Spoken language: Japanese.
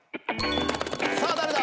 さあ誰だ？